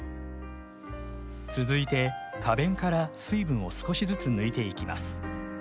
続いて花弁から水分を少しずつ抜いていきます。